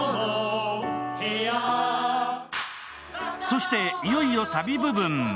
そして、いよいよサビ部分。